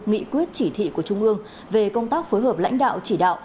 nghị quyết chỉ thị của trung ương về công tác phối hợp lãnh đạo chỉ đạo